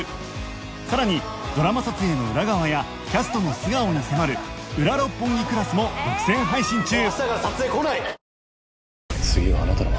さらにドラマ撮影の裏側やキャストの素顔に迫る『ウラ六本木クラス』も独占配信中